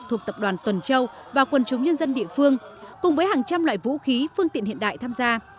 thuộc tập đoàn tuần châu và quần chúng nhân dân địa phương cùng với hàng trăm loại vũ khí phương tiện hiện đại tham gia